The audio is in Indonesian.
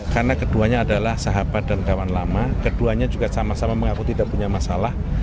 karena keduanya adalah sahabat dan kawan lama keduanya juga sama sama mengaku tidak punya masalah